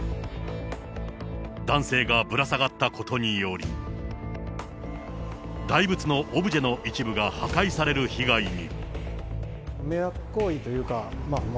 男性がぶら下がったことにより、大仏のオブジェの一部が破壊される被害に。